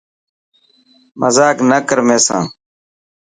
مزاڪ نه ڪر مين سان.